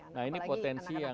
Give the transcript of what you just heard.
nah ini potensi yang